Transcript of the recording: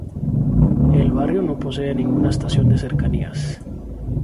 El barrio no posee ninguna estación de Cercanías.